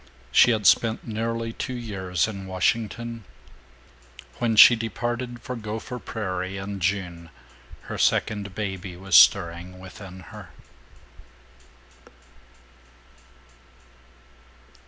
She had spent nearly two years in Washington. When she departed for Gopher Prairie, in June, her second baby was stirring within her.